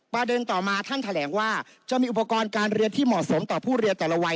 ประเด็นต่อมาท่านแถลงว่าจะมีอุปกรณ์การเรียนที่เหมาะสมต่อผู้เรียนแต่ละวัย